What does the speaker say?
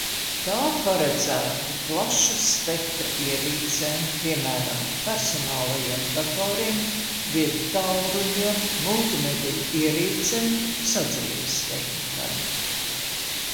Tā paredzēta plaša spektra ierīcēm, piemēram, personālajiem datoriem, viedtālruņiem, multimediju ierīcēm, sadzīves tehnikai.